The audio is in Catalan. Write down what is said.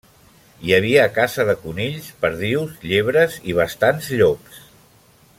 Hi havia caça de conills, perdius, llebres i bastants llops.